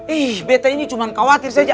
ih bt ini cuma khawatir saja